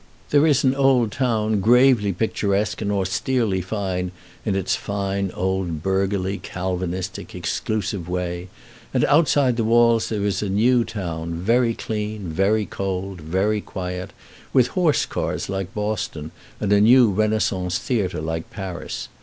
There is an old town, gravely picturesque and austerely fine in its fine old burgherly, Calvinistic, exclusive way; and outside the walls there is a new town, very clean, very cold, very quiet, with horse cars like Boston, and a new Renaissance theatre like Paris.